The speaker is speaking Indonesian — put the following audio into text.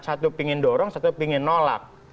satu ingin dorong satu ingin nolak